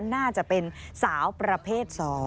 น่าจะเป็นสาวประเภท๒